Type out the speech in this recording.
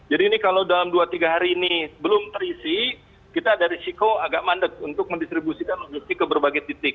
ini kalau dalam dua tiga hari ini belum terisi kita ada risiko agak mandek untuk mendistribusikan logistik ke berbagai titik